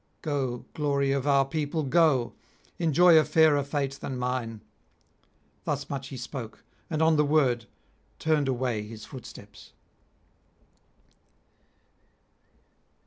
Go, glory of our people, go, enjoy a fairer fate than mine.' Thus much he spoke, and on the word turned away his footsteps.